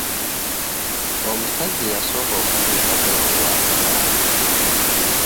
Omusajja eyasooka okutuyitako yali wa kagaali.